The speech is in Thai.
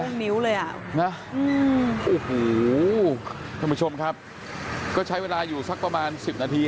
โล่งนิ้วเลยนะคะทุกผู้ชมครับได้ใช้เวลาอยู่สักประมาณสิบนาที